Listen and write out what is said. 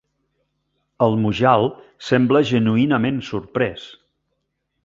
El Mujal sembla genuïnament sorprès.